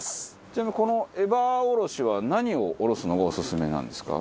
ちなみにこのエバーおろしは何をおろすのがオススメなんですか？